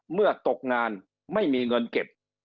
เมื่อตกงานไม่มีเงินเก็บ